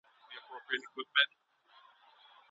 سوله د روغتیا لپاره څه راوړي؟